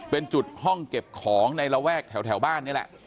เป็นจุดห้องเก็บของในระแวกแถวบ้านนี่แหละ